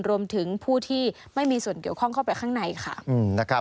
รวมถึงผู้ที่ไม่มีส่วนเกี่ยวข้องเข้าไปข้างในค่ะ